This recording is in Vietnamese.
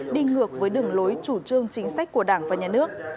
đi ngược với đường lối chủ trương chính sách của đảng và nhà nước